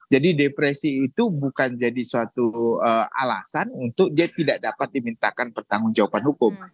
depresi itu bukan jadi suatu alasan untuk dia tidak dapat dimintakan pertanggung jawaban hukum